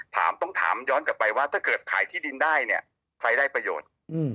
ถามต้องถามย้อนกลับไปว่าถ้าเกิดขายที่ดินได้เนี่ยใครได้ประโยชน์